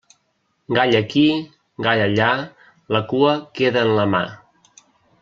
Gall aquí, gall allà, la cua queda en la mà.